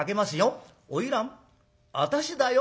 『花魁私だよ』。